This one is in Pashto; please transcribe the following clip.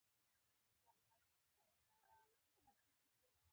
افغانستان د کلي د ساتنې لپاره قوانین لري.